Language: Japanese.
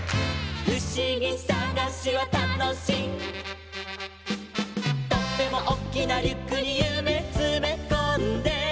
「ふしぎさがしはたのしい」「とってもおっきなリュックにゆめつめこんで」